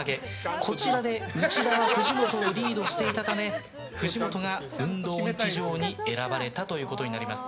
こちらで内田は藤本をリードしていたため藤本が運動音痴女王に選ばれたということになります。